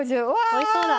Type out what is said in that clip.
おいしそうだ。